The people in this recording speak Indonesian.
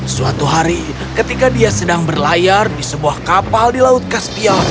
suatu hari ketika dia sedang berlayar di sebuah kapal di laut kaspia